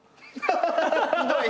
ひどい！